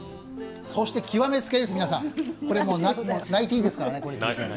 そして極めつけです、皆さん、これ泣いていいですからね。